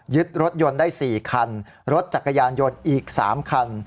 ยึดรถยนต์ได้สี่คันรถจักรยานโยนอีกสามคัน